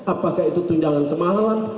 apakah itu tunjangan kemahalan